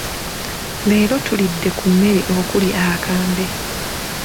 Leero tulidde ku mmere okuli akambe.